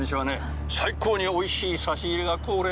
最高においしい差し入れが恒例なの。